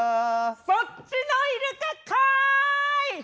そっちのイルカかい！